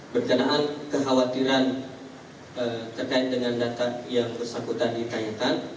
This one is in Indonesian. berkenaan kekhawatiran terkait dengan data yang bersangkutan ditanyakan